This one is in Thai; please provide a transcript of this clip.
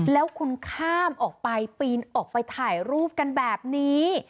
แล้วคุณข้ามออกไปปีนออกไปถ่ายรูปกันแบบนี้